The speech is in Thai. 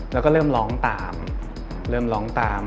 แล้วก็เริ่มร้องตามเริ่มร้องตาม